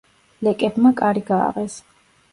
ლეკებმა კარი გააღეს.